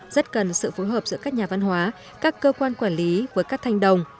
rất cần sự phối hợp giữa các nhà văn hóa các cơ quan quản lý với các thanh đồng